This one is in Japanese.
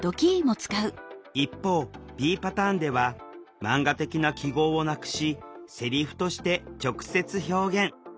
一方Ｂパターンではマンガ的な記号をなくしセリフとして直接表現。